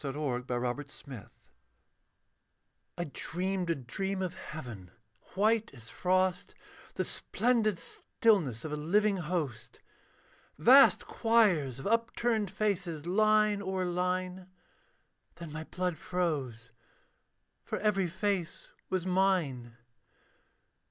THE MIRROR OF MADMEN I dreamed a dream of heaven, white as frost, The splendid stillness of a living host; Vast choirs of upturned faces, line o'er line. Then my blood froze; for every face was mine.